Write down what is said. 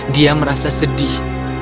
dia merasa sedih